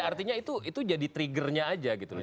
artinya itu jadi triggernya aja gitu loh